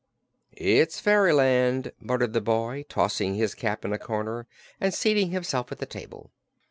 "It's fairyland," muttered the boy, tossing his cap in a corner and seating himself at the table.